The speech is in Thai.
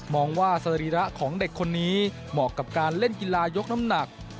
ว่าสรีระของเด็กคนนี้เหมาะกับการเล่นกีฬายกน้ำหนัก